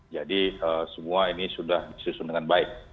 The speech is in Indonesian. jadi semua ini sudah disusun dengan baik